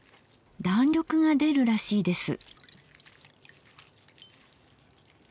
弾力が出るらしいです。